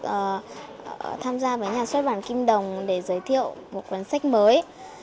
và tham gia với nhà xuất bản kim đồng để giới thiệu một cuốn sách mới